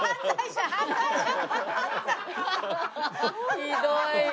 ひどい。